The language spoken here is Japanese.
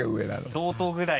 同等ぐらい。